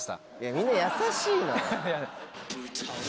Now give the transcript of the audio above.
みんな優しいのよ。